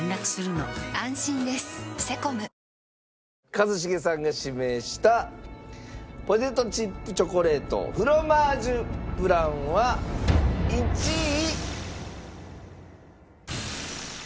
一茂さんが指名したポテトチップチョコレートフロマージュブランは１位。